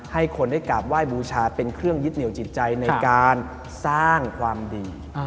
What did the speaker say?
ให้คนได้กราบไหว้บูชาเป็นเครื่องยึดเหนียวจิตใจในการสร้างความดี